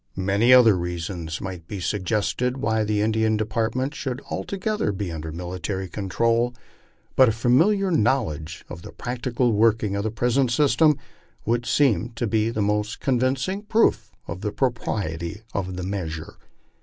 Many other reasons might be suggested why the Indian department should altogether be under military control, but a familiar knowledge of the practical working of the present system would seem to be the most convincing proof of the pro priety of the measure.